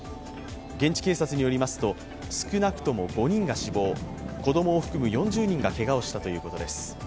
現地警察によりますと少なくとも５人が死亡、子どもを含む４０人がけがをしたということです。